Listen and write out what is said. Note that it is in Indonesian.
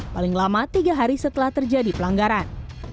paling lama tiga hari setelah terjadi pelanggaran